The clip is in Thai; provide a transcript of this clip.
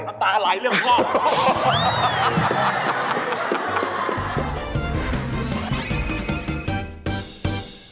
น้ำตาไหลเรื่องพ่อ